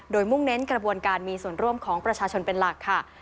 โดยมุ่งเน้นกระบวนการมีส่วนร่วมของประชาชนเป็นหลักค่ะ